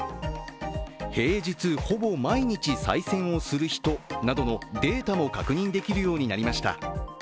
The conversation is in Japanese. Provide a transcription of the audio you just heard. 平日ほぼ毎日さい銭をする人などのデータも確認できるようになりました。